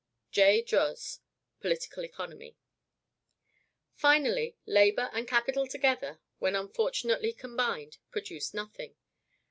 (J. Droz: Political Economy.) Finally, labor and capital together, when unfortunately combined, produce nothing.